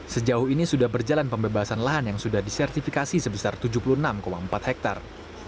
sejauh ini sudah berjalan pembebasan lahan yang sudah disertifikasi sebesar tujuh puluh enam empat hektare